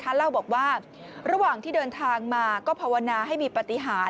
เล่าบอกว่าระหว่างที่เดินทางมาก็ภาวนาให้มีปฏิหาร